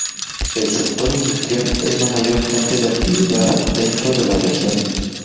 El sector industrial es la mayor fuente de actividad dentro de la región.